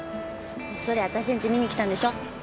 こっそり私ん家見に来たんでしょ。